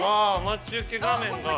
◆待ち受け画面が